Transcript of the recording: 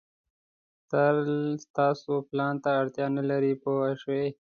تل تاسو پلان ته اړتیا نه لرئ پوه شوې!.